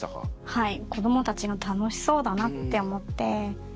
はい。